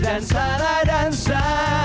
dan salah dansa